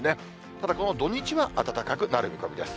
ただこの土日は暖かくなる見込みです。